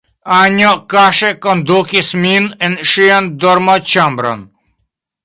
Anjo kaŝe kondukis min en ŝian dormoĉambron.